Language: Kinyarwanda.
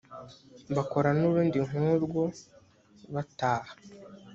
bakora n urundi nk urwo bataha